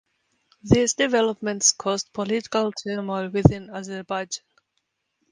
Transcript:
These developments caused political turmoil within Azerbaijan.